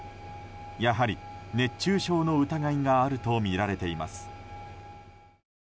やはり、熱中症の疑いがあるとみられています。